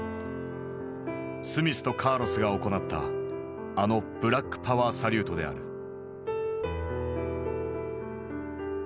スミスとカーロスが行ったあのブラックパワー・サリュートである。